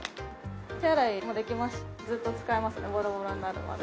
手洗いもできますしずっと使えますのでボロボロになるまで。